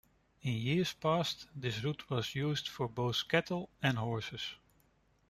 In years past, this route was used for both cattle and horses.